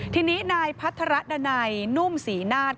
ทีนี้นายพัฒระดันัยนุ่มศรีนาฏ